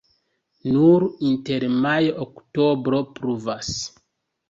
Nur inter majo-oktobro pluvas.